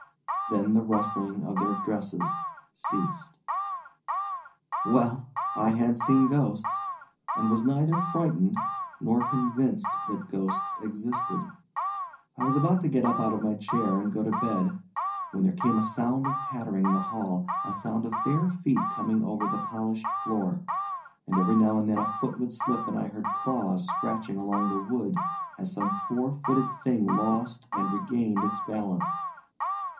Then the rustling of their dresses ceased. Well I had seen ghosts, and was neither frightened nor convinced that ghosts existed. I was about to get up out of my chair and go to bed, when there came a sound of pattering in the hall, a sound of bare feet coming over the polished floor, and every now and then a foot would slip and I heard claws scratching along the wood as some four footed thing lost and regained its balance.